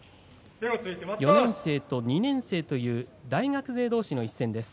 ４年生と２年生という大学生どうしの一戦です。。